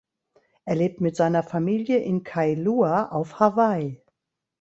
Er lebt mit seiner Familie in Kailua auf Hawaii.